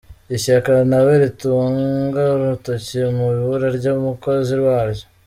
Ishyaka nta we ritunga urutoki mu ibura ry’umukozi waryo